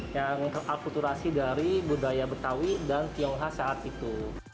yang terakulturasi dari budaya betawi dan tionghoa saat itu